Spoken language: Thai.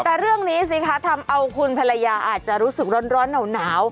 แต่เรื่องนี้สิคะทำเอาคุณภรรยาอาจจะรู้สึกร้อนหนาว